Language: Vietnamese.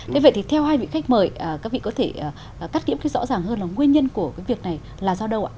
thế vậy thì theo hai vị khách mời các vị có thể cắt liễu cái rõ ràng hơn là nguyên nhân của cái việc này là do đâu ạ